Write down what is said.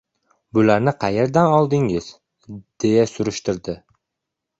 — Bularni qayerdan oldingiz? — deya surishtirdi.